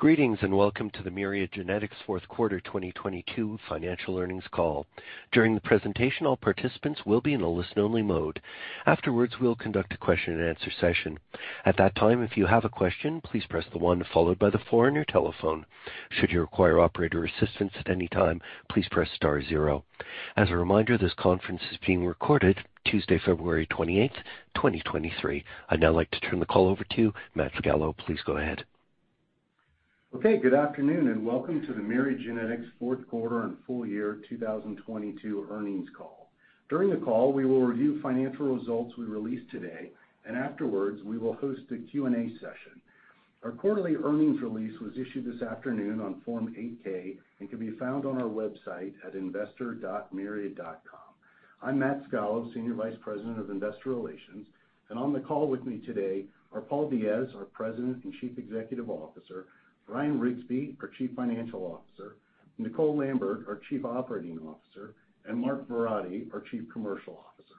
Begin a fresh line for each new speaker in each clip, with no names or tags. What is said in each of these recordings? Greetings, and welcome to the Myriad Genetics fourth quarter 2022 financial earnings call. During the presentation, all participants will be in a listen-only mode. Afterwards, we'll conduct a question-and-answer session. At that time, if you have a question, please press the one followed by the four on your telephone. Should you require operator assistance at any time, please press star zero. As a reminder, this conference is being recorded Tuesday, February 28, 2023. I'd now like to turn the call over to Matt Scalo. Please go ahead.
Okay, good afternoon, and welcome to the Myriad Genetics fourth quarter and full-year 2022 earnings call. During the call, we will review financial results we released today. Afterwards, we will host a Q&A session. Our quarterly earnings release was issued this afternoon on Form 8-K and can be found on our website at investor.myriad.com. I'm Matt Scalo, Senior Vice President of Investor Relations, and on the call with me today are Paul Diaz, our President and Chief Executive Officer, Bryan Riggsbee, our Chief Financial Officer, Nicole Lambert, our Chief Operating Officer, and Mark Verratti, our Chief Commercial Officer.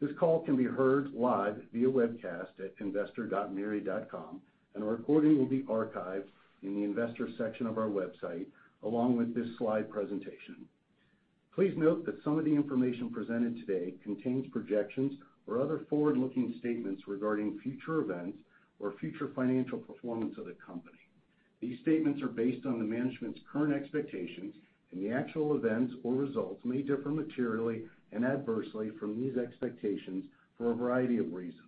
This call can be heard live via webcast at investor.myriad.com. A recording will be archived in the investor section of our website, along with this slide presentation. Please note that some of the information presented today contains projections or other forward-looking statements regarding future events or future financial performance of the company. These statements are based on the management's current expectations, and the actual events or results may differ materially and adversely from these expectations for a variety of reasons.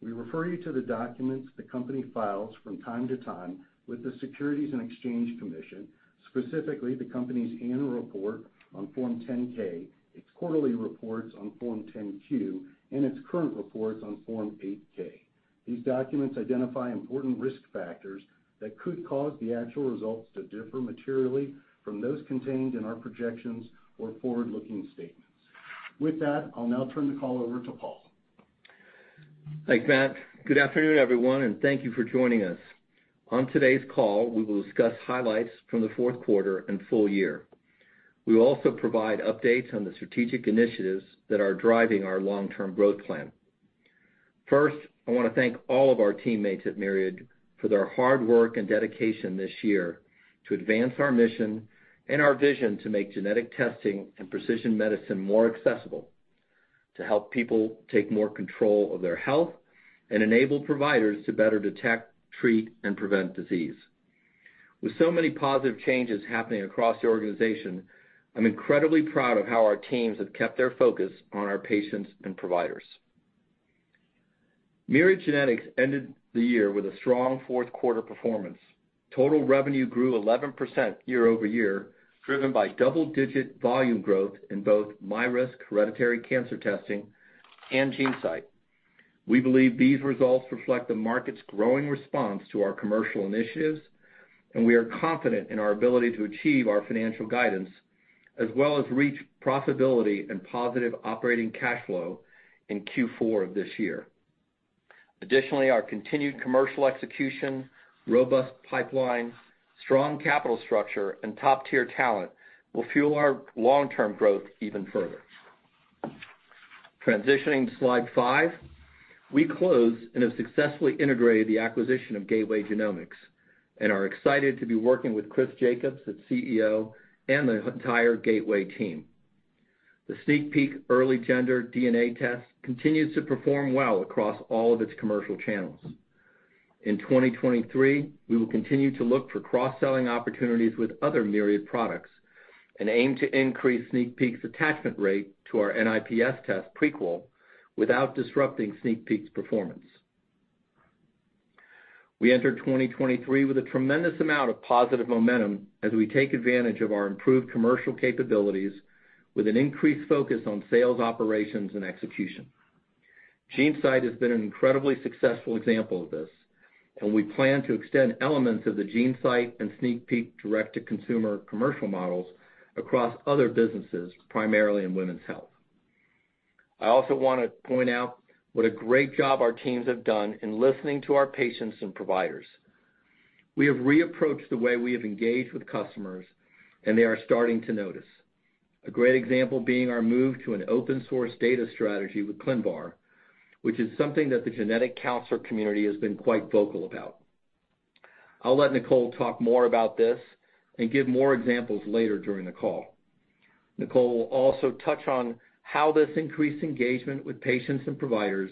We refer you to the documents the company files from time to time with the Securities and Exchange Commission, specifically the company's annual report on Form 10-K, its quarterly reports on Form 10-Q, and its current reports on Form 8-K. These documents identify important risk factors that could cause the actual results to differ materially from those contained in our projections or forward-looking statements. With that, I'll now turn the call over to Paul.
Thanks, Matt. Good afternoon, everyone, thank you for joining us. On today's call, we will discuss highlights from the fourth quarter and full-year. We will also provide updates on the strategic initiatives that are driving our long-term growth plan. First, I want to thank all of our teammates at Myriad for their hard work and dedication this year to advance our mission and our vision to make genetic testing and precision medicine more accessible, to help people take more control of their health and enable providers to better detect, treat, and prevent disease. With so many positive changes happening across the organization, I'm incredibly proud of how our teams have kept their focus on our patients and providers. Myriad Genetics ended the year with a strong fourth quarter performance. Total revenue grew 11% year-over-year, driven by double-digit volume growth in both myRisk hereditary cancer testing and GeneSight. We believe these results reflect the market's growing response to our commercial initiatives, and we are confident in our ability to achieve our financial guidance as well as reach profitability and positive operating cash flow in Q4 of this year. Our continued commercial execution, robust pipeline, strong capital structure, and top-tier talent will fuel our long-term growth even further. Transitioning to Slide 5, we closed and have successfully integrated the acquisition of Gateway Genomics and are excited to be working with Chris Jacob, its CEO, and the entire Gateway team. The SneakPeek early gender DNA test continues to perform well across all of its commercial channels. In 2023, we will continue to look for cross-selling opportunities with other Myriad products and aim to increase SneakPeek's attachment rate to our NIPS test, Prequel, without disrupting SneakPeek's performance. We enter 2023 with a tremendous amount of positive momentum as we take advantage of our improved commercial capabilities with an increased focus on sales operations and execution. GeneSight has been an incredibly successful example of this. We plan to extend elements of the GeneSight and SneakPeek direct-to-consumer commercial models across other businesses, primarily in women's health. I also want to point out what a great job our teams have done in listening to our patients and providers. We have reapproached the way we have engaged with customers, and they are starting to notice. A great example being our move to an open-source data strategy with ClinVar, which is something that the genetic counselor community has been quite vocal about. I'll let Nicole talk more about this and give more examples later during the call. Nicole will also touch on how this increased engagement with patients and providers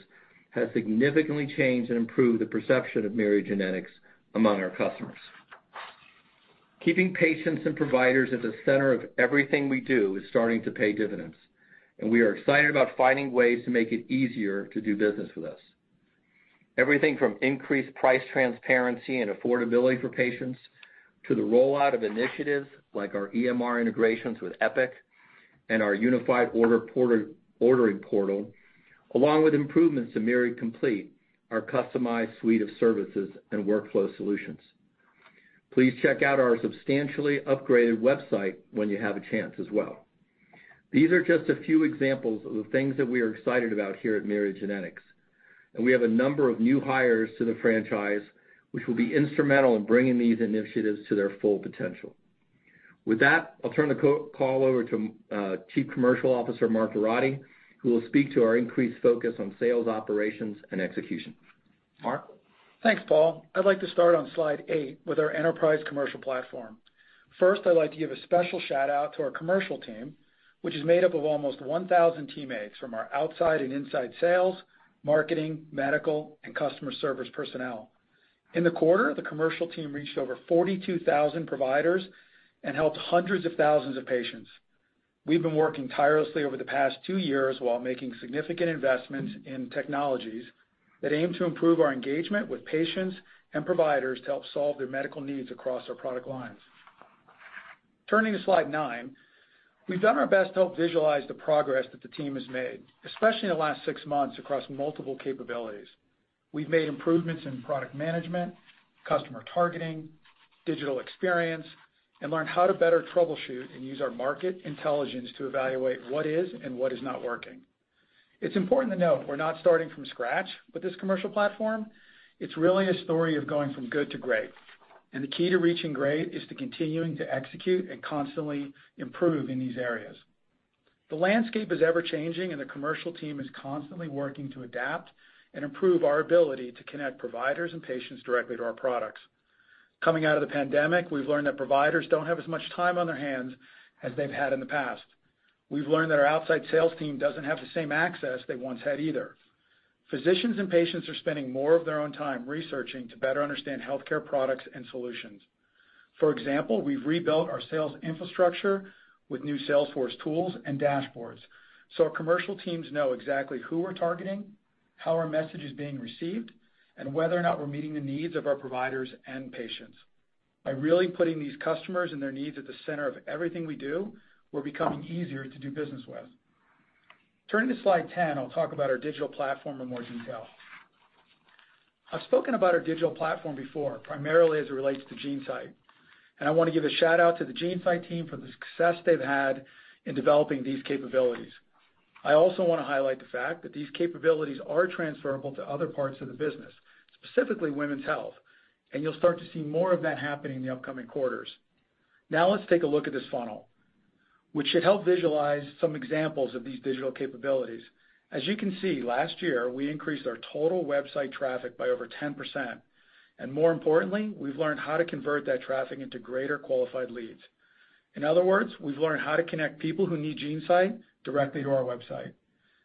has significantly changed and improved the perception of Myriad Genetics among our customers. Keeping patients and providers at the center of everything we do is starting to pay dividends, and we are excited about finding ways to make it easier to do business with us. Everything from increased price transparency and affordability for patients to the rollout of initiatives like our EMR integrations with Epic and our unified ordering portal, along with improvements to Myriad Complete, our customized suite of services and workflow solutions. Please check out our substantially upgraded website when you have a chance as well. These are just a few examples of the things that we are excited about here at Myriad Genetics. We have a number of new hires to the franchise which will be instrumental in bringing these initiatives to their full potential. With that, I'll turn the call over to Chief Commercial Officer, Mark Verratti, who will speak to our increased focus on sales, operations, and execution. Mark?
Thanks, Paul. I'd like to start on Slide 8 with our enterprise commercial platform. I'd like to give a special shout-out to our commercial team, which is made up of almost 1,000 teammates from our outside and inside sales, marketing, medical, and customer service personnel. In the quarter, the commercial team reached over 42,000 providers and helped hundreds of thousands of patients. We've been working tirelessly over the past two years while making significant investments in technologies that aim to improve our engagement with patients and providers to help solve their medical needs across our product lines. Turning to Slide 9, we've done our best to help visualize the progress that the team has made, especially in the last six months across multiple capabilities. We've made improvements in product management, customer targeting, digital experience, and learned how to better troubleshoot and use our market intelligence to evaluate what is and what is not working. It's important to note we're not starting from scratch with this commercial platform. It's really a story of going from good to great, and the key to reaching great is to continuing to execute and constantly improve in these areas. The landscape is ever-changing, and the commercial team is constantly working to adapt and improve our ability to connect providers and patients directly to our products. Coming out of the pandemic, we've learned that providers don't have as much time on their hands as they've had in the past. We've learned that our outside sales team doesn't have the same access they once had either. Physicians and patients are spending more of their own time researching to better understand healthcare products and solutions. For example, we've rebuilt our sales infrastructure with new sales force tools and dashboards, so our commercial teams know exactly who we're targeting, how our message is being received, and whether or not we're meeting the needs of our providers and patients. By really putting these customers and their needs at the center of everything we do, we're becoming easier to do business with. Turning to Slide 10, I'll talk about our digital platform in more detail. I've spoken about our digital platform before, primarily as it relates to GeneSight, and I want to give a shout-out to the GeneSight team for the success they've had in developing these capabilities. I also want to highlight the fact that these capabilities are transferable to other parts of the business, specifically women's health, and you'll start to see more of that happening in the upcoming quarters. Let's take a look at this funnel, which should help visualize some examples of these digital capabilities. As you can see, last year, we increased our total website traffic by over 10%, more importantly, we've learned how to convert that traffic into greater qualified leads. In other words, we've learned how to connect people who need GeneSight directly to our website.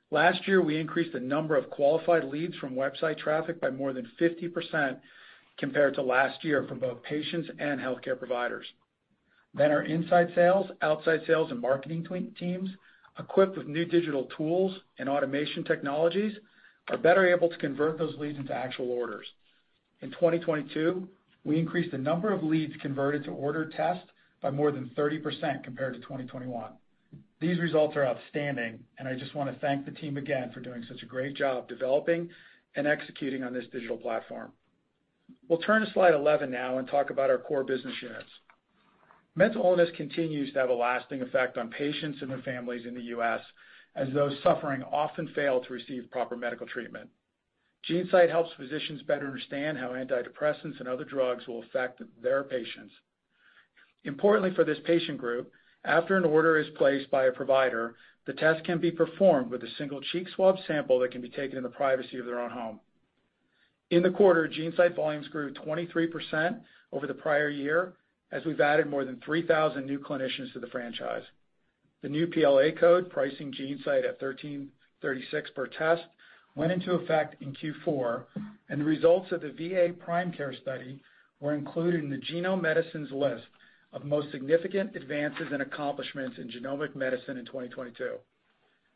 Last year, we increased the number of qualified leads from website traffic by more than 50% compared to last year from both patients and healthcare providers. Our inside sales, outside sales, and marketing teams, equipped with new digital tools and automation technologies, are better able to convert those leads into actual orders. In 2022, we increased the number of leads converted to order test by more than 30% compared to 2021. These results are outstanding, and I just wanna thank the team again for doing such a great job developing and executing on this digital platform. We'll turn to Slide 11 now and talk about our core business units. Mental illness continues to have a lasting effect on patients and their families in the U.S., as those suffering often fail to receive proper medical treatment. GeneSight helps physicians better understand how antidepressants and other drugs will affect their patients. Importantly for this patient group, after an order is placed by a provider, the test can be performed with a single cheek swab sample that can be taken in the privacy of their own home. In the quarter, GeneSight volumes grew 23% over the prior year, as we've added more than 3,000 new clinicians to the franchise. The new PLA code, pricing GeneSight at $1,336 per test, went into effect in Q4, and the results of the PRIME Care study were included in the Genome Medicine's list of most significant advances and accomplishments in genomic medicine in 2022.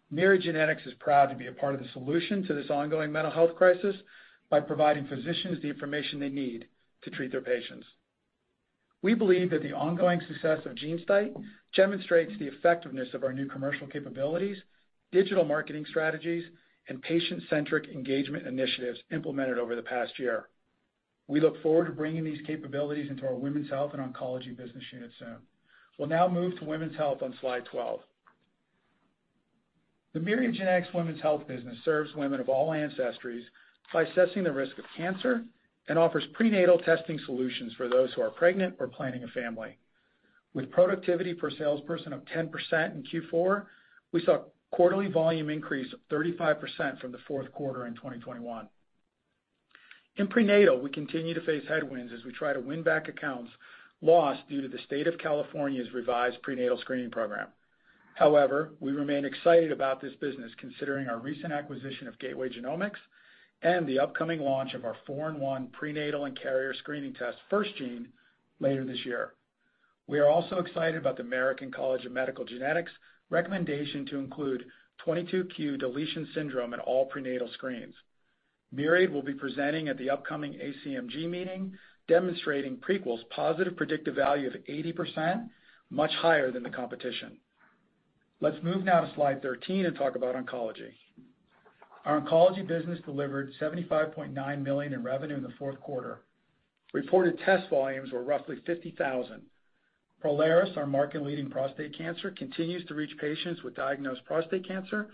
Myriad Genetics is proud to be a part of the solution to this ongoing mental health crisis by providing physicians the information they need to treat their patients. We believe that the ongoing success of GeneSight demonstrates the effectiveness of our new commercial capabilities, digital marketing strategies, and patient-centric engagement initiatives implemented over the past year. We look forward to bringing these capabilities into our women's health and oncology business units soon. We'll now move to women's health on Slide 12. The Myriad Genetics's women's health business serves women of all ancestries by assessing the risk of cancer and offers prenatal testing solutions for those who are pregnant or planning a family. With productivity per salesperson of 10% in Q4, we saw quarterly volume increase of 35% from the fourth quarter in 2021. In prenatal, we continue to face headwinds as we try to win back accounts lost due to the state of California's revised prenatal screening program. We remain excited about this business, considering our recent acquisition of Gateway Genomics and the upcoming launch of our four-in-one prenatal and carrier screening test, FirstGene, later this year. We are also excited about the American College of Medical Genetics recommendation to include 22q11.2 deletion syndrome in all prenatal screens. Myriad will be presenting at the upcoming ACMG meeting, demonstrating Prequel's positive predictive value of 80%, much higher than the competition. Let's move now to Slide 13 and talk about oncology. Our oncology business delivered $75.9 million in revenue in the fourth quarter. Reported test volumes were roughly 50,000. Prolaris, our market-leading prostate cancer, continues to reach patients with diagnosed prostate cancer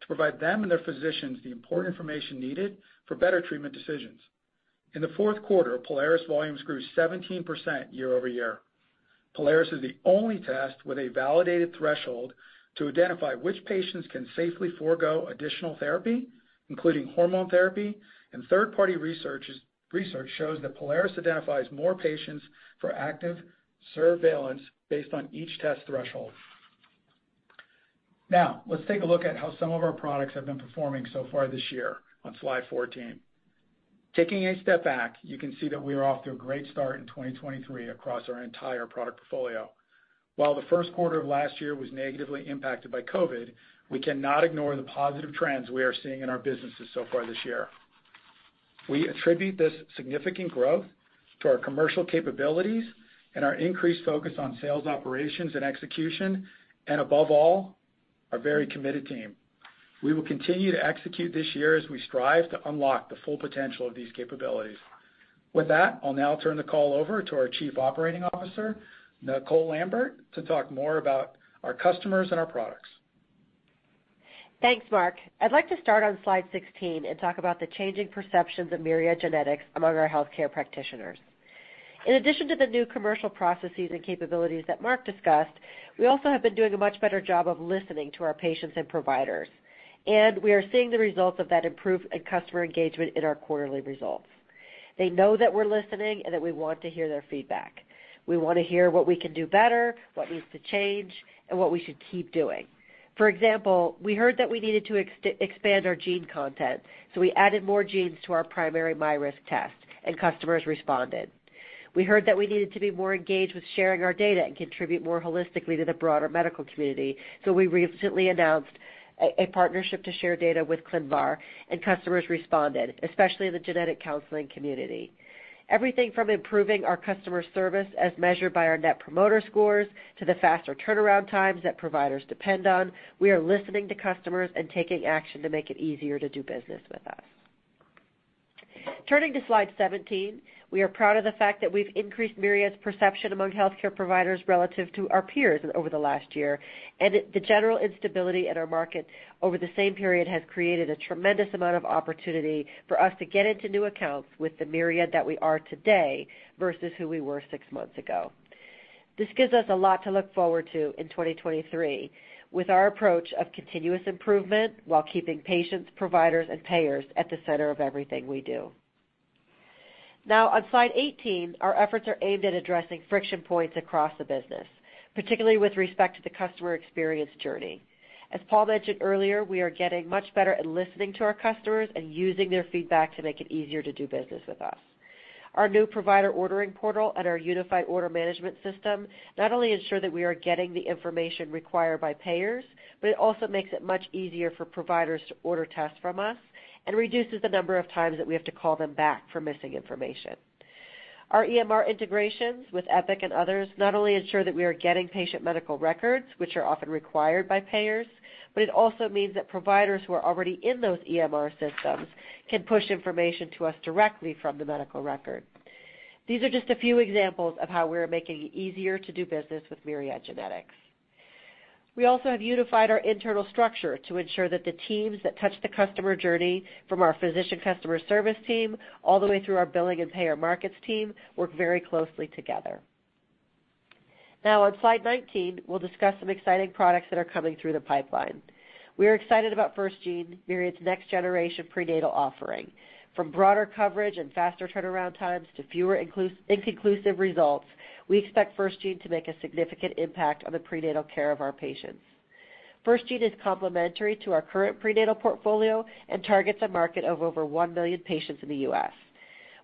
to provide them and their physicians the important information needed for better treatment decisions. In the fourth quarter, Prolaris volumes grew 17% year-over-year. Prolaris is the only test with a validated threshold to identify which patients can safely forego additional therapy, including hormone therapy. Third-party research shows that Prolaris identifies more patients for active surveillance based on each test threshold. Let's take a look at how some of our products have been performing so far this year on Slide 14. Taking a step back, you can see that we are off to a great start in 2023 across our entire product portfolio. While the first quarter of last year was negatively impacted by COVID, we cannot ignore the positive trends we are seeing in our businesses so far this year. We attribute this significant growth to our commercial capabilities and our increased focus on sales operations and execution. Above all, our very committed team. We will continue to execute this year as we strive to unlock the full potential of these capabilities. With that, I'll now turn the call over to our Chief Operating Officer, Nicole Lambert, to talk more about our customers and our products.
Thanks, Mark. I'd like to start on Slide 16 and talk about the changing perceptions of Myriad Genetics among our healthcare practitioners. In addition to the new commercial processes and capabilities that Mark discussed, we also have been doing a much better job of listening to our patients and providers. We are seeing the results of that improved customer engagement in our quarterly results. They know that we're listening and that we want to hear their feedback. We want to hear what we can do better, what needs to change, and what we should keep doing. For example, we heard that we needed to expand our gene content. We added more genes to our primary myRisk test, and customers responded. We heard that we needed to be more engaged with sharing our data and contribute more holistically to the broader medical community, so we recently announced a partnership to share data with ClinVar, and customers responded, especially the genetic counseling community. Everything from improving our customer service as measured by our Net Promoter Scores to the faster turnaround times that providers depend on, we are listening to customers and taking action to make it easier to do business with us. Turning to Slide 17, we are proud of the fact that we've increased Myriad's perception among healthcare providers relative to our peers over the last year. The general instability in our market over the same period has created a tremendous amount of opportunity for us to get into new accounts with the Myriad that we are today versus who we were six months ago. This gives us a lot to look forward to in 2023 with our approach of continuous improvement while keeping patients, providers, and payers at the center of everything we do. On Slide 18, our efforts are aimed at addressing friction points across the business, particularly with respect to the customer experience journey. As Paul mentioned earlier, we are getting much better at listening to our customers and using their feedback to make it easier to do business with us. Our new provider ordering portal and our unified order management system not only ensure that we are getting the information required by payers, but it also makes it much easier for providers to order tests from us and reduces the number of times that we have to call them back for missing information. Our EMR integrations with Epic and others not only ensure that we are getting patient medical records, which are often required by payers, but it also means that providers who are already in those EMR systems can push information to us directly from the medical record. These are just a few examples of how we are making it easier to do business with Myriad Genetics. We also have unified our internal structure to ensure that the teams that touch the customer journey from our physician customer service team all the way through our billing and payer markets team work very closely together. On Slide 19, we'll discuss some exciting products that are coming through the pipeline. We are excited about FirstGene, Myriad's next-generation prenatal offering. From broader coverage and faster turnaround times to fewer inconclusive results, we expect FirstGene to make a significant impact on the prenatal care of our patients. FirstGene is complementary to our current prenatal portfolio and targets a market of over 1 million patients in the US.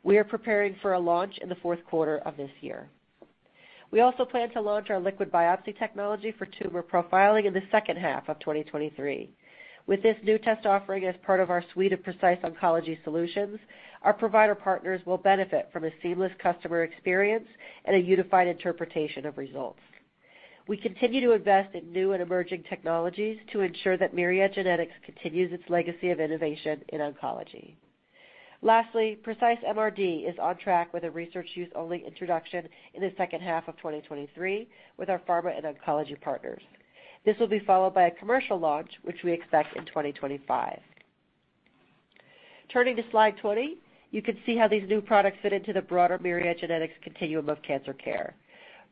We are preparing for a launch in the fourth quarter of this year. We also plan to launch our liquid biopsy technology for tumor profiling in the second half of 2023. With this new test offering as part of our suite of precise oncology solutions, our provider partners will benefit from a seamless customer experience and a unified interpretation of results. We continue to invest in new and emerging technologies to ensure that Myriad Genetics continues its legacy of innovation in oncology. Lastly, Precise MRD is on track with a research use-only introduction in the second half of 2023 with our pharma and oncology partners. This will be followed by a commercial launch, which we expect in 2025. Turning to Slide 20, you can see how these new products fit into the broader Myriad Genetics continuum of cancer care.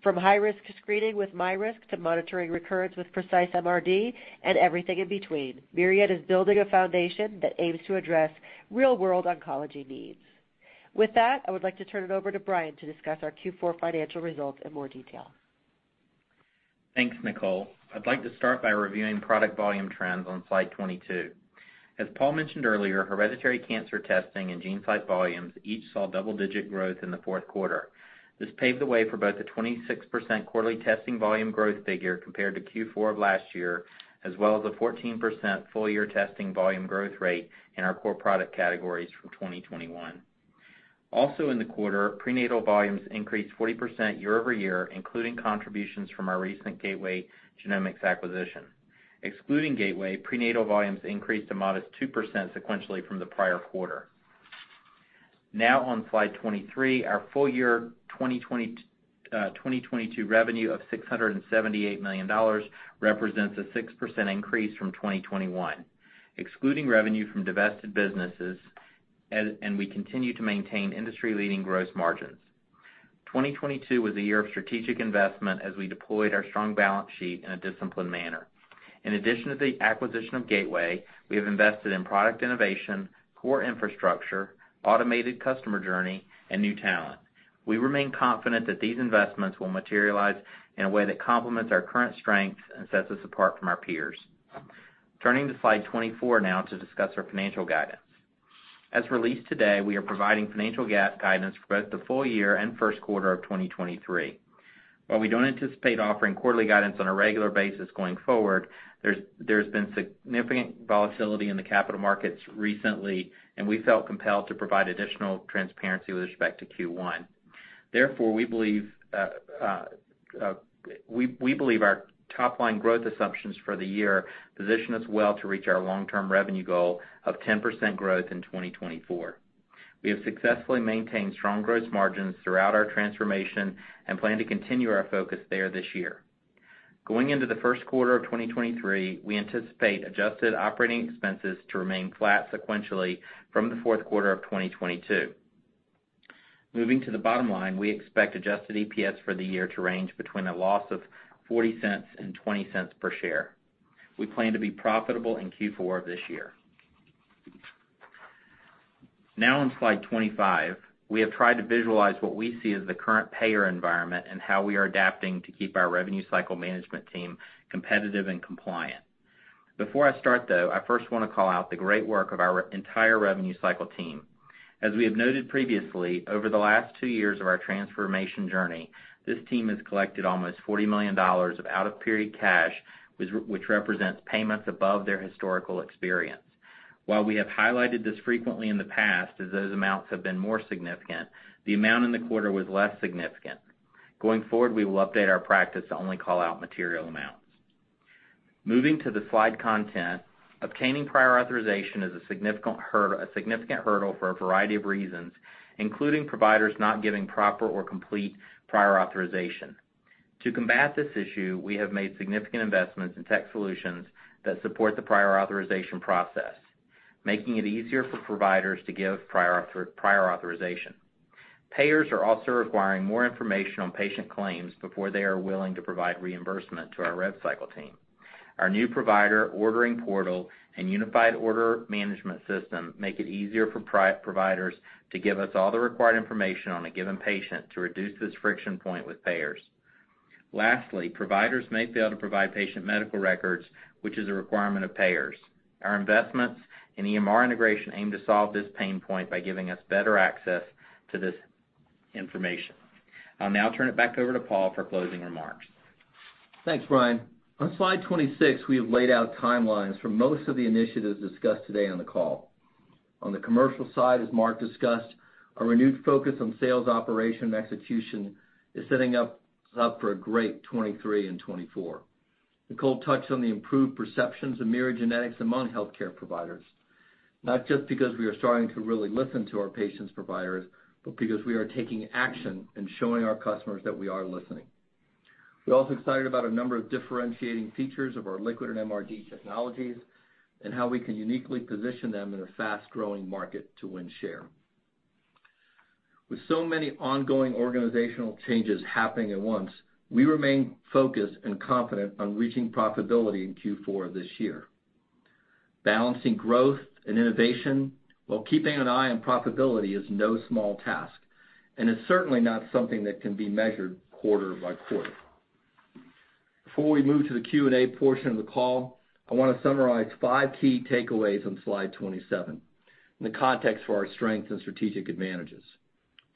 From high-risk screening with myRisk to monitoring recurrence with Precise MRD and everything in between, Myriad is building a foundation that aims to address real-world oncology needs. With that, I would like to turn it over to Verratti to discuss our Q4 financial results in more detail.
Thanks, Nicole. I'd like to start by reviewing product volume trends on Slide 22. As Paul mentioned earlier, hereditary cancer testing and GeneSight volumes each saw double-digit growth in the fourth quarter. This paved the way for both the 26% quarterly testing volume growth figure compared to Q4 of last year, as well as a 14% full-year testing volume growth rate in our core product categories from 2021. Also in the quarter, prenatal volumes increased 40% year-over-year, including contributions from our recent Gateway Genomics acquisition. Excluding Gateway, prenatal volumes increased a modest 2% sequentially from the prior quarter. On Slide 23, our full-year
2022 revenue of $678 million represents a 6% increase from 2021, excluding revenue from divested businesses, and we continue to maintain industry-leading gross margins. 2022 was a year of strategic investment as we deployed our strong balance sheet in a disciplined manner. In addition to the acquisition of Gateway, we have invested in product innovation, core infrastructure, automated customer journey, and new talent. We remain confident that these investments will materialize in a way that complements our current strengths and sets us apart from our peers. Turning to Slide 24 now to discuss our financial guidance. As released today, we are providing financial GAAP guidance for both the full-year and first quarter of 2023. While we don't anticipate offering quarterly guidance on a regular basis going forward, there's been significant volatility in the capital markets recently. We felt compelled to provide additional transparency with respect to Q1. We believe our top line growth assumptions for the year position us well to reach our long-term revenue goal of 10% growth in 2024. We have successfully maintained strong growth margins throughout our transformation and plan to continue our focus there this year. Going into the first quarter of 2023, we anticipate adjusted operating expenses to remain flat sequentially from the fourth quarter of 2022. Moving to the bottom line, we expect Adjusted EPS for the year to range between a loss of $0.40 and $0.20 per share. We plan to be profitable in Q4 of this year. On Slide 25, we have tried to visualize what we see as the current payer environment and how we are adapting to keep our revenue cycle management team competitive and compliant. Before I start though, I first wanna call out the great work of our entire revenue cycle team. As we have noted previously, over the last two years of our transformation journey, this team has collected almost $40 million of out-of-period cash, which represents payments above their historical experience. While we have highlighted this frequently in the past as those amounts have been more significant, the amount in the quarter was less significant. Going forward, we will update our practice to only call out material amounts. Moving to the slide content, obtaining prior authorization is a significant hurdle for a variety of reasons, including providers not giving proper or complete prior authorization. To combat this issue, we have made significant investments in tech solutions that support the prior authorization process, making it easier for providers to give prior authorization. Payers are also requiring more information on patient claims before they are willing to provide reimbursement to our rev cycle team. Our new provider ordering portal and unified order management system make it easier for providers to give us all the required information on a given patient to reduce this friction point with payers. Lastly, providers may fail to provide patient medical records, which is a requirement of payers. Our investments in EMR integration aim to solve this pain point by giving us better access to this information. I'll now turn it back over to Paul for closing remarks.
Thanks, Bryan. On Slide 26, we have laid out timelines for most of the initiatives discussed today on the call. On the commercial side, as Mark discussed, our renewed focus on sales operation and execution is setting up for a great 2023 and 2024. Nicole touched on the improved perceptions of Myriad Genetics among healthcare providers, not just because we are starting to really listen to our patients' providers, but because we are taking action and showing our customers that we are listening. We're also excited about a number of differentiating features of our liquid and MRD technologies and how we can uniquely position them in a fast-growing market to win share. With so many ongoing organizational changes happening at once, we remain focused and confident on reaching profitability in Q4 of this year. Balancing growth and innovation while keeping an eye on profitability is no small task, and it's certainly not something that can be measured quarter by quarter. Before we move to the Q&A portion of the call, I wanna summarize five key takeaways on Slide 27 and the context for our strengths and strategic advantages.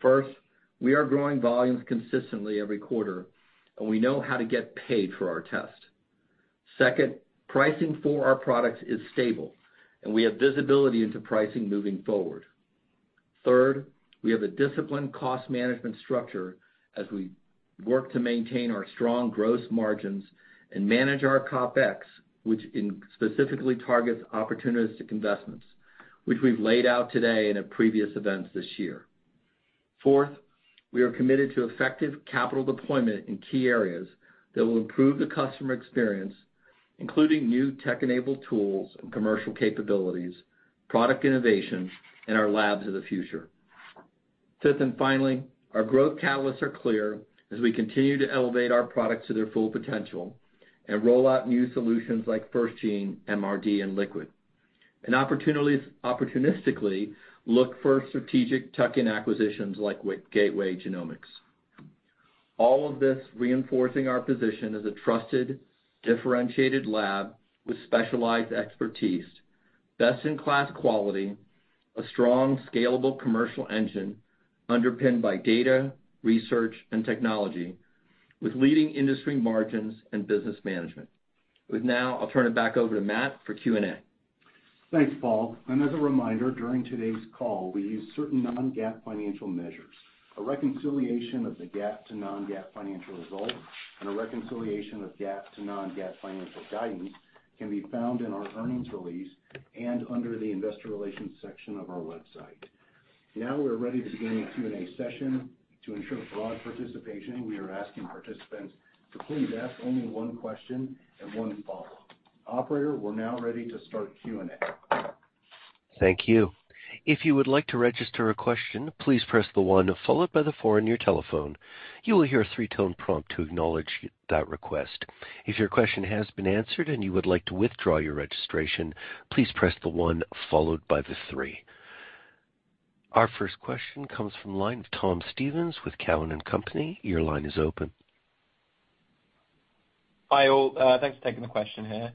First, we are growing volumes consistently every quarter, and we know how to get paid for our tests. Second, pricing for our products is stable, and we have visibility into pricing moving forward. Third, we have a disciplined cost management structure as we work to maintain our strong gross margins and manage our CapEx, which specifically targets opportunistic investments, which we've laid out today in our previous events this year. Fourth, we are committed to effective capital deployment in key areas that will improve the customer experience, including new tech-enabled tools and commercial capabilities, product innovation, and our Labs of the Future. Fifth and finally, our growth catalysts are clear as we continue to elevate our products to their full potential and roll out new solutions like FirstGene, MRD, and Liquid. Opportunistically, look for strategic tuck-in acquisitions like with Gateway Genomics. All of this reinforcing our position as a trusted, differentiated lab with specialized expertise, best-in-class quality, a strong scalable commercial engine underpinned by data, research, and technology with leading industry margins and business management. With now, I'll turn it back over to Matt for Q&A.
Thanks, Paul. As a reminder, during today's call, we use certain non-GAAP financial measures. A reconciliation of the GAAP to non-GAAP financial results and a reconciliation of GAAP to non-GAAP financial guidance can be found in our earnings release and under the Investor Relations section of our website.
We're ready to begin the Q&A session. To ensure broad participation, we are asking participants to please ask only one question and one follow. Operator, we're now ready to start Q&A.
Thank you. If you would like to register a question, please press the one followed by the four on your telephone. You will hear a three-tone prompt to acknowledge that request. If your question has been answered and you would like to withdraw your registration, please press the one followed by the three. Our first question comes from the line of Tom Stevens with Cowen and Company. Your line is open.
Hi, All. Thanks for taking the question here.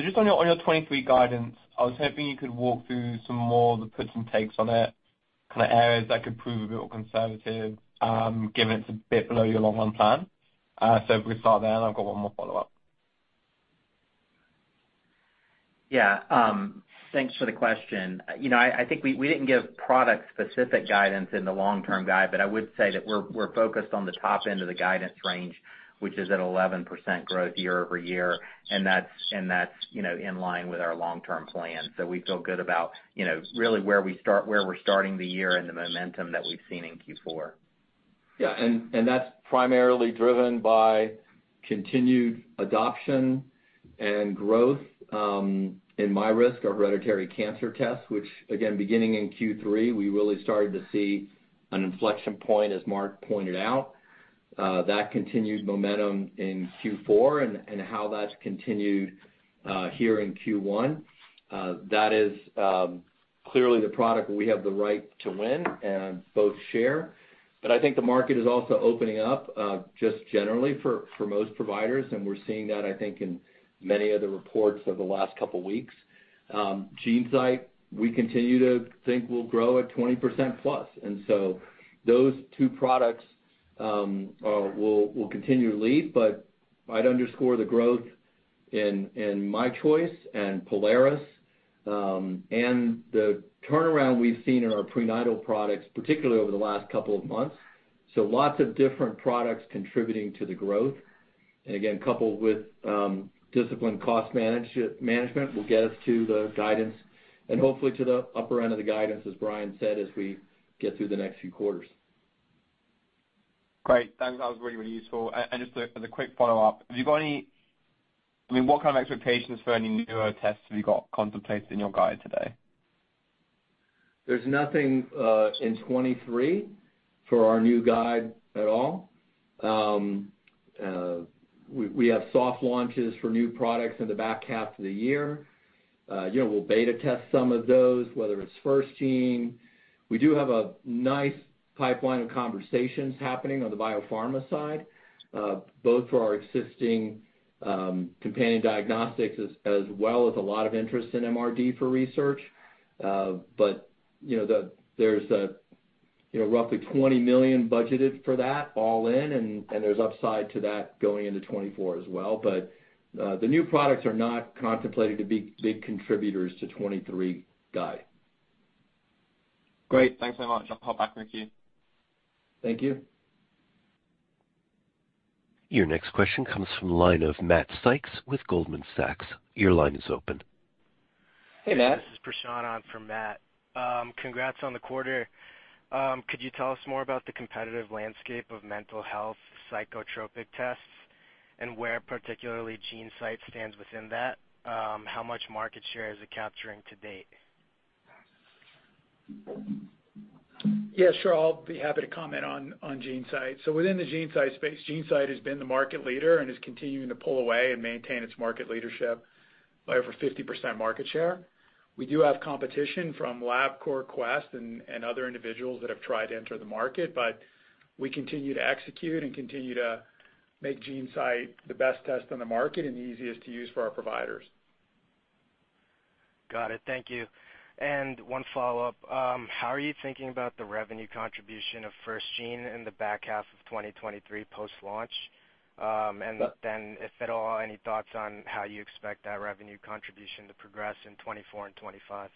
Just on your, on your 23 guidance, I was hoping you could walk through some more of the puts and takes on it, kind of areas that could prove a bit more conservative, given it's a bit below your long run plan. If we could start there, and I've got one more follow-up.
Yeah. Thanks for the question. You know, I think we didn't give product-specific guidance in the long-term guide, but I would say that we're focused on the top end of the guidance range, which is at 11% growth year-over-year, and that's, you know, in line with our long-term plan. We feel good about, you know, really where we're starting the year and the momentum that we've seen in Q4.
Yeah. That's primarily driven by continued adoption and growth in myRisk, our hereditary cancer test, which again, beginning in Q3, we really started to see an inflection point, as Mark pointed out. That continued momentum in Q4 and how that's continued here in Q1. That is clearly the product we have the right to win and both share. I think the market is also opening up just generally for most providers, and we're seeing that, I think, in many of the reports over the last couple weeks. GeneSight, we continue to think will grow at 20% plus. Those two products will continue to lead, but I'd underscore the growth in myChoice and Prolaris, and the turnaround we've seen in our prenatal products, particularly over the last couple of months. Lots of different products contributing to the growth. And again, coupled with disciplined cost management, will get us to the guidance and hopefully to the upper end of the guidance, as Bryan said, as we get through the next few quarters.
Great. Thanks. That was really, really useful. Just as a quick follow-up, have you got I mean, what kind of expectations for any newer tests have you got contemplated in your guide today?
There's nothing in 2023 for our new guide at all. We have soft launches for new products in the back half of the year. You know, we'll beta test some of those, whether it's FirstGene. We do have a nice pipeline of conversations happening on the biopharma side, both for our existing companion diagnostics as well as a lot of interest in MRD for research. You know, there's a, you know, roughly $20 million budgeted for that all in and there's upside to that going into 2024 as well. The new products are not contemplated to be big contributors to 2023 guide.
Great. Thanks so much. I'll hop back in the queue.
Thank you.
Your next question comes from the line of Matt Sykes with Goldman Sachs. Your line is open.
Hey, Matt.
This is Prashant on for Matt. Congrats on the quarter. Could you tell us more about the competitive landscape of mental health psychotropic tests and where particularly GeneSight stands within that? How much market share is it capturing to date?
Yeah, sure. I'll be happy to comment on GeneSight. Within the GeneSight space, GeneSight has been the market leader and is continuing to pull away and maintain its market leadership by over 50% market share. We do have competition from Labcorp, Quest, and other individuals that have tried to enter the market. We continue to execute and continue to make GeneSight the best test on the market and the easiest to use for our providers.
Got it. Thank you. One follow-up. How are you thinking about the revenue contribution of FirstGene in the back half of 2023 post-launch? Then if at all, any thoughts on how you expect that revenue contribution to progress in 2024 and 2025?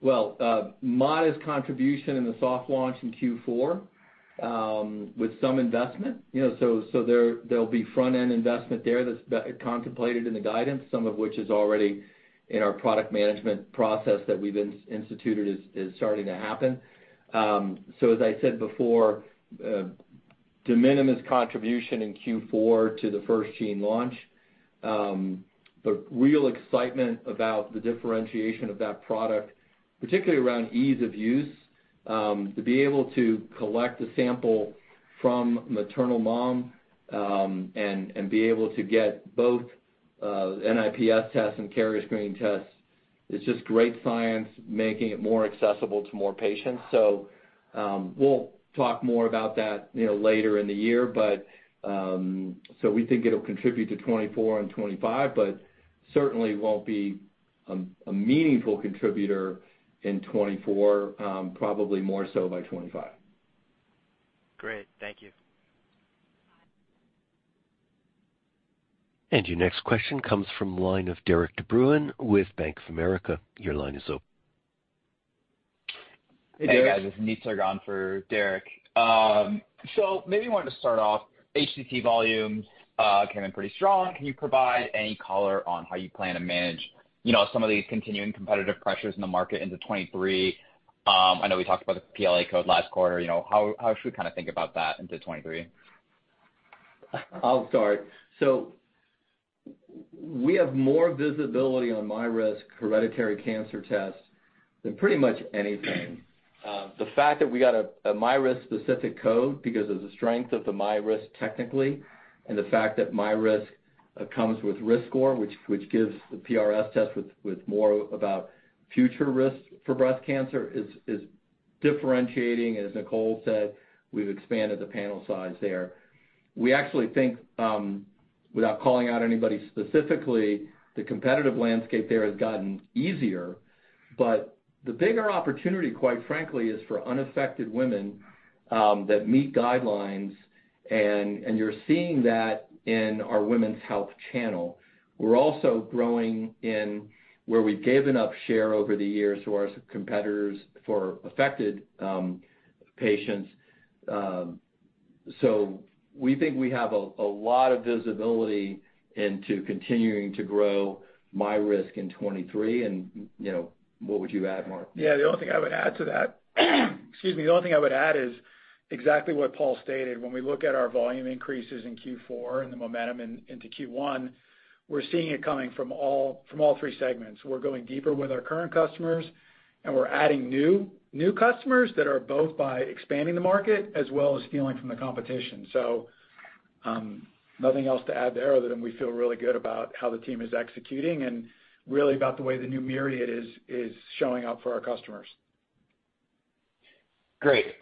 Well, modest contribution in the soft launch in Q4 with some investment. You know, so there'll be front-end investment there that's contemplated in the guidance, some of which is already in our product management process that we've instituted is starting to happen. As I said before, de minimis contribution in Q4 to the FirstGene launch. Real excitement about the differentiation of that product, particularly around ease of use to be able to collect a sample from maternal mom and be able to get both NIPS tests and carrier screening tests. It's just great science making it more accessible to more patients. We'll talk more about that, you know, later in the year. So we think it'll contribute to 2024 and 2025, but certainly won't be a meaningful contributor in 2024, probably more so by 2025.
Great. Thank you.
Your next question comes from the line of Derek Hewett with Bank of America. Your line is open.
Hey, guys. It's Puneet Souda for Derek Hewett. Maybe wanted to start off, HCT volumes came in pretty strong. Can you provide any color on how you plan to manage, you know, some of these continuing competitive pressures in the market into 23? I know we talked about the PLA code last quarter. You know, how should we kind of think about that into 23?
I'll start. We have more visibility on myRisk hereditary cancer tests than pretty much anything. The fact that we got a myRisk-specific code because of the strength of the myRisk technically, and the fact that myRisk comes with risk score, which gives the PRS test with more about future risks for breast cancer is differentiating. As Nicole said, we've expanded the panel size there. We actually think, without calling out anybody specifically, the competitive landscape there has gotten easier. The bigger opportunity, quite frankly, is for unaffected women that meet guidelines and you're seeing that in our women's health channel. We're also growing in where we've given up share over the years to our competitors for affected patients. We think we have a lot of visibility into continuing to grow myRisk in 2023. you know, what would you add, Mark?
The only thing I would add to that, excuse me, the only thing I would add is exactly what Paul stated. When we look at our volume increases in Q4 and the momentum into Q1, we're seeing it coming from all three segments. We're going deeper with our current customers, and we're adding new customers that are both by expanding the market as well as stealing from the competition. Nothing else to add to there other than we feel really good about how the team is executing and really about the way the new Myriad is showing up for our customers.
Great.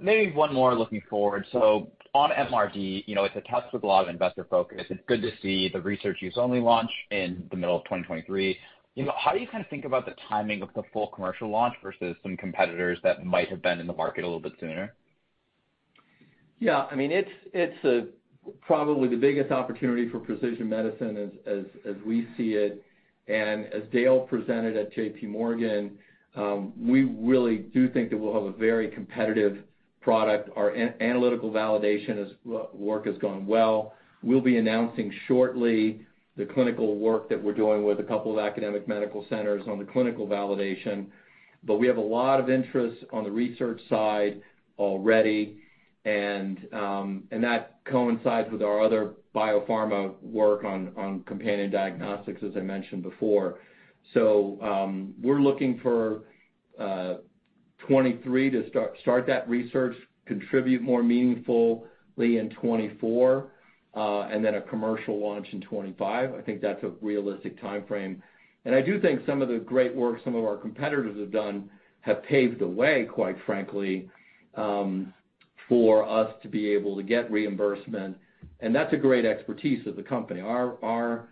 Maybe one more looking forward. On MRD, you know, it's a test with a lot of investor focus. It's good to see the research use only launch in the middle of 2023. You know, how do you kind of think about the timing of the full commercial launch versus some competitors that might have been in the market a little bit sooner?
Yeah. I mean, it's probably the biggest opportunity for precision medicine as we see it. As Dale presented at JP Morgan, we really do think that we'll have a very competitive product. Our analytical validation work has gone well. We'll be announcing shortly the clinical work that we're doing with a couple of academic medical centers on the clinical validation. We have a lot of interest on the research side already, and that coincides with our other biopharma work on companion diagnostics, as I mentioned before. We're looking for 23 to start that research, contribute more meaningfully in 24, and then a commercial launch in 25. I think that's a realistic timeframe. I do think some of the great work some of our competitors have done have paved the way, quite frankly, for us to be able to get reimbursement. That's a great expertise of the company. Our,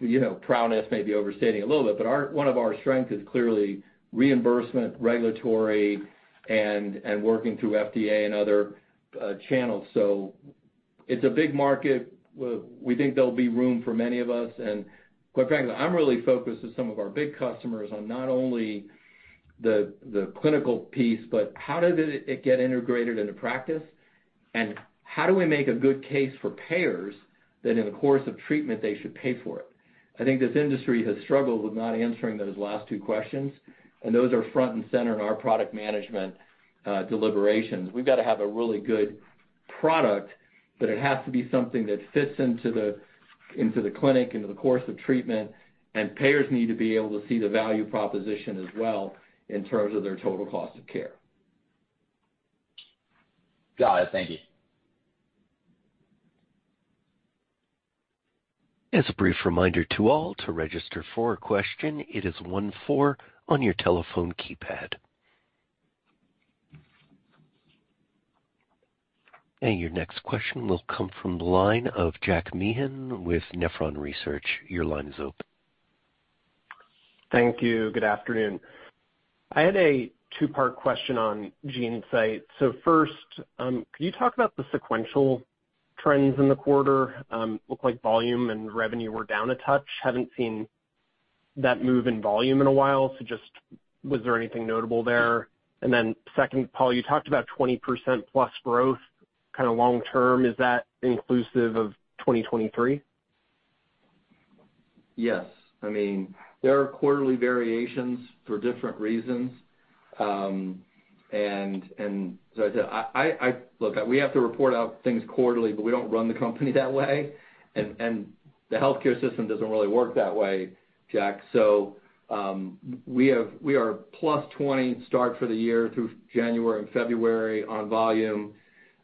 you know, proudest may be overstating it a little bit, but one of our strength is clearly reimbursement, regulatory, and working through FDA and other channels. It's a big market. We think there'll be room for many of us. Quite frankly, I'm really focused with some of our big customers on not only the clinical piece, but how does it get integrated into practice, and how do we make a good case for payers that in the course of treatment they should pay for it? I think this industry has struggled with not answering those last two questions, and those are front and center in our product management deliberations. We've got to have a really good product, but it has to be something that fits into the, into the clinic, into the course of treatment, and payers need to be able to see the value proposition as well in terms of their total cost of care.
Got it. Thank you.
As a brief reminder to all, to register for a question, it is one four on your telephone keypad. Your next question will come from the line of Jack Meehan with Nephron Research. Your line is open.
Thank you. Good afternoon. I had a two-part question on GeneSight. First, can you talk about the sequential trends in the quarter? Looked like volume and revenue were down a touch. Haven't seen that move in volume in a while. Just was there anything notable there? Second, Paul, you talked about 20%+ growth kind of long term. Is that inclusive of 2023?
Yes. I mean, there are quarterly variations for different reasons. As I said, Look, we have to report out things quarterly, but we don't run the company that way. The healthcare system doesn't really work that way, Jack. We are +20 start for the year through January and February on volume.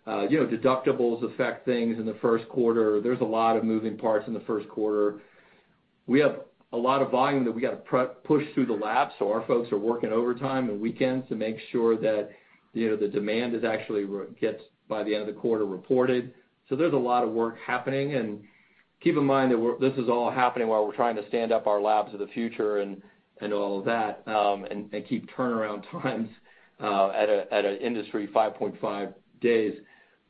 You know, deductibles affect things in the first quarter. There's a lot of moving parts in the first quarter. We have a lot of volume that we got to push through the lab, so our folks are working overtime on weekends to make sure that, you know, the demand is actually gets by the end of the quarter reported. There's a lot of work happening. Keep in mind that this is all happening while we're trying to stand up our Labs of the Future and all of that, and keep turnaround times at an industry five point five days.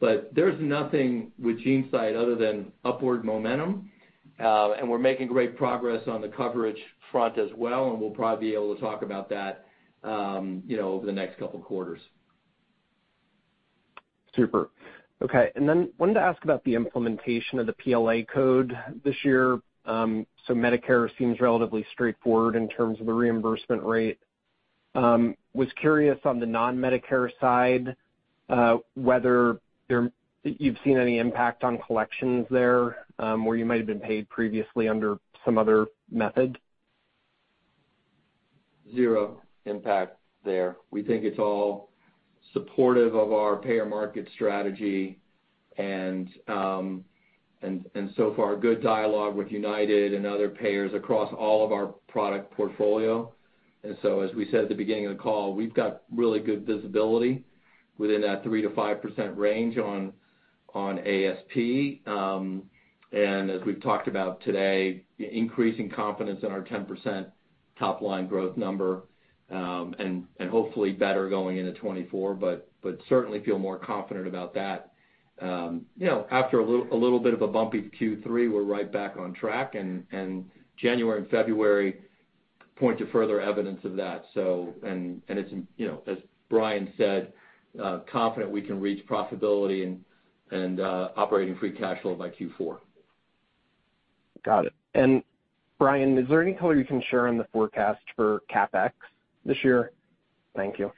There's nothing with GeneSight other than upward momentum. We're making great progress on the coverage front as well, and we'll probably be able to talk about that, you know, over the next couple quarters.
Super. Okay. Wanted to ask about the implementation of the PLA code this year. Medicare seems relatively straightforward in terms of the reimbursement rate. Was curious on the non-Medicare side, whether you've seen any impact on collections there, where you might have been paid previously under some other method.
Zero impact there. We think it's all supportive of our payer market strategy, and so far good dialogue with UnitedHealthcare and other payers across all of our product portfolio. As we said at the beginning of the call, we've got really good visibility within that 3%-5% range on ASP. As we've talked about today, increasing confidence in our 10% top line growth number, and hopefully better going into 2024, but certainly feel more confident about that. You know, after a little bit of a bumpy Q3, we're right back on track and January and February point to further evidence of that. You know, as Bryan said, confident we can reach profitability and operating free cash flow by Q4.
Got it. Bryan, is there any color you can share on the forecast for CapEx this year? Thank you.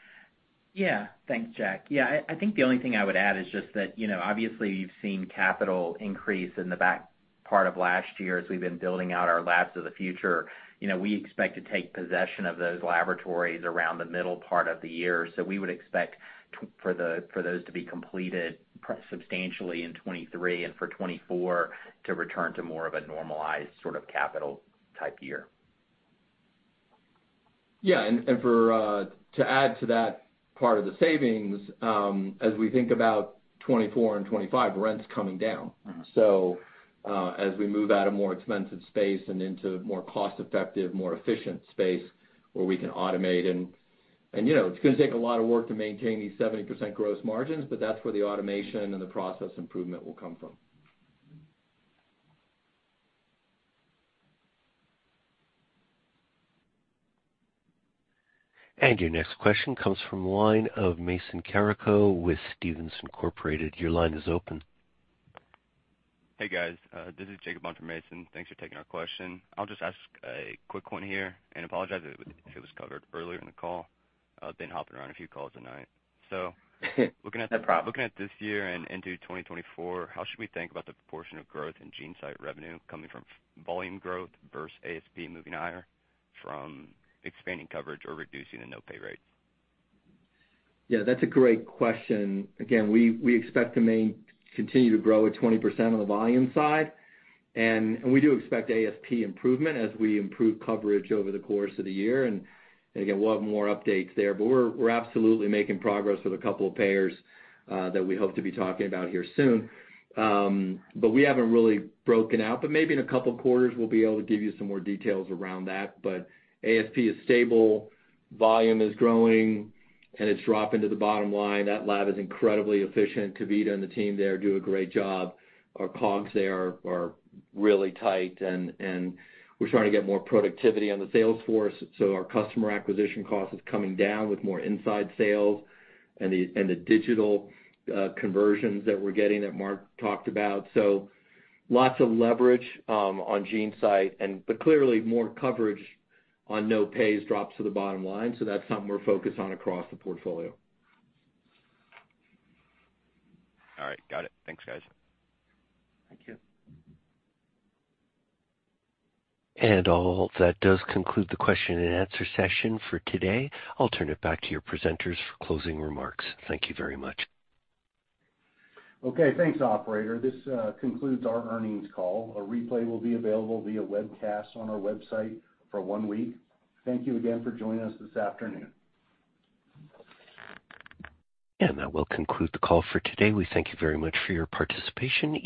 Yeah. Thanks, Jack. Yeah, I think the only thing I would add is just that, you know, obviously you've seen capital increase in the back part of last year as we've been building out our Labs of the Future. You know, we expect to take possession of those laboratories around the middle part of the year. We would expect for those to be completed substantially in 2023 and for 2024 to return to more of a normalized sort of capital type year.
Yeah, and for, to add to that part of the savings, as we think about 24 and 25, rent's coming down.
Mm-hmm.
As we move out of more expensive space and into more cost-effective, more efficient space where we can automate and, you know, it's gonna take a lot of work to maintain these 70% gross margins, but that's where the automation and the process improvement will come from.
Your next question comes from the line of Mason Carrico with Stephens Inc.. Your line is open.
Hey, guys. This is Jacob on for Mason. Thanks for taking our question. I'll just ask a quick one here and apologize if it was covered earlier in the call. I've been hopping around a few calls tonight.
No problem.
looking at this year and into 2024, how should we think about the proportion of growth in GeneSight revenue coming from volume growth versus ASP moving higher from expanding coverage or reducing the no-pay rate?
That's a great question. Again, we expect to continue to grow at 20% on the volume side. We do expect ASP improvement as we improve coverage over the course of the year. Again, we'll have more updates there, but we're absolutely making progress with a couple of payers that we hope to be talking about here soon. We haven't really broken out, but maybe in a couple of quarters, we'll be able to give you some more details around that. ASP is stable, volume is growing, and it's dropping to the bottom line. That lab is incredibly efficient. Kavitha and the team there do a great job. Our COGS there are really tight and we're starting to get more productivity on the sales force, so our customer acquisition cost is coming down with more inside sales and the digital conversions that we're getting that Mark talked about. Lots of leverage on GeneSight but clearly more coverage on no-pays drops to the bottom line. That's something we're focused on across the portfolio.
All right. Got it. Thanks, guys.
Thank you.
All that does conclude the question and answer session for today. I'll turn it back to your presenters for closing remarks. Thank you very much.
Okay. Thanks, operator. This concludes our earnings call. A replay will be available via webcast on our website for one week. Thank you again for joining us this afternoon.
That will conclude the call for today. We thank you very much for your participation.